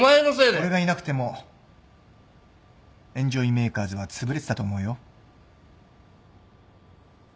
俺がいなくてもエンジョイメーカーズはつぶれてたと思うよ。